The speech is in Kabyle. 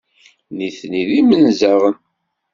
Nitni d imenzaɣen.